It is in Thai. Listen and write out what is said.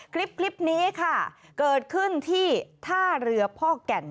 คลิปนี้ค่ะเกิดขึ้นที่ท่าเรือพ่อแก่น